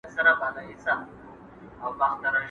باید د ټولني د ساتنې لپاره هڅې وسي.